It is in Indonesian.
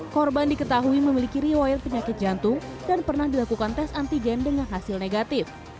korban diketahui memiliki riwayat penyakit jantung dan pernah dilakukan tes antigen dengan hasil negatif